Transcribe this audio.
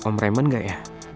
om raymond gak ya